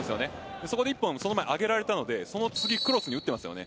そこで１本その前に上げられたので、その次、クロスに打っていますよね。